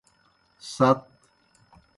ست۔